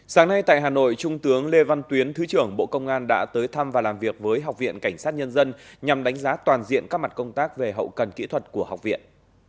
sáng nay tại hà nội trung tướng lê văn tuyến thứ trưởng bộ công an đã tới thăm và làm việc với học viện cảnh sát nhân dân nhằm đánh giá toàn diện các mặt công tác về hậu cần kỹ thuật của học viện